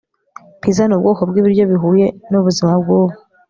pizza nubwoko bwibiryo bihuye nubuzima bwubu